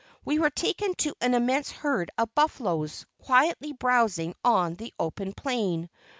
We were taken to an immense herd of buffaloes, quietly browsing on the open plain.